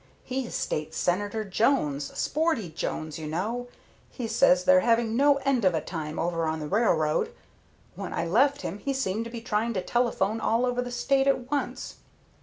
"He's State Senator Jones, Sporty Jones, you know. He says they're having no end of a time over on the railroad. When I left him he seemed to be trying to telephone all over the State at once."